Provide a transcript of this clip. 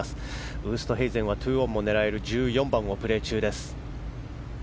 ウーストヘイゼンは２オンも狙える１４番をプレー中です。